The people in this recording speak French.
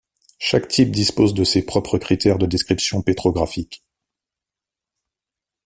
Chaque type dispose de ses propres critères de description pétrographique.